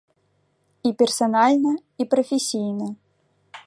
І персанальна, і прафесійна.